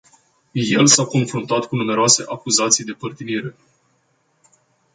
El s-a confruntat cu numeroase acuzații de părtinire.